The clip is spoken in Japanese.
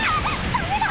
ダメだ！